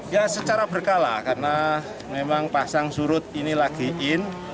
ya secara berkala karena memang pasang surut ini lagi in